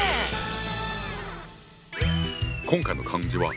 今回の漢字は。